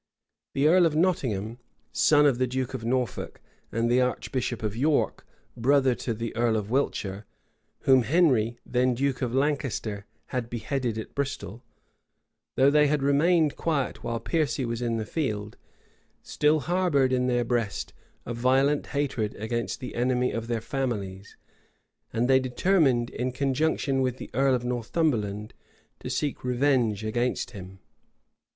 The earl of Nottingham, son of the duke of Norfolk, and the archbishop of York, brother to the earl of Wiltshire, whom Henry, then duke of Lancaster, had beheaded at Bristol, though they had remained quiet while Piercy was in the field, still harbored in their breast a violent hatred against the enemy of their families; and they determined, in conjunction with the earl of Northumberland, to seek revenge against him.